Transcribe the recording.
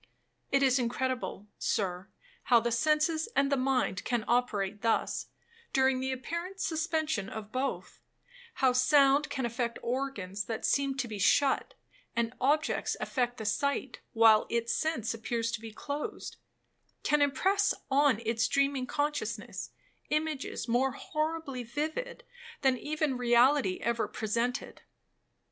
'It is incredible, Sir, how the senses and the mind can operate thus, during the apparent suspension of both; how sound can affect organs that seem to be shut, and objects affect the sight, while its sense appears to be closed,—can impress on its dreaming consciousness, images more horribly vivid than even reality ever presented.